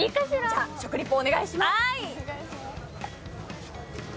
じゃあ、食リポお願いします。